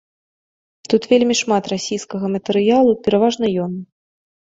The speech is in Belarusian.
Тут вельмі шмат расійскага матэрыялу, пераважна ён.